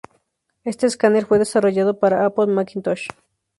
Este escáner fue desarrollado para Apple Macintosh.